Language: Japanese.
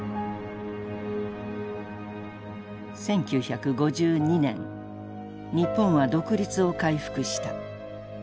１９５２年日本は独立を回復した。